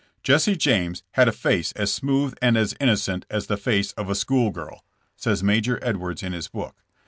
*' Jesse James had a face as smooth and as innocent as the face of a school girl," says Major Edwards in his book.